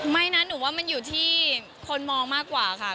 ไม่นะหนูว่ามันอยู่ที่คนมองมากกว่าค่ะ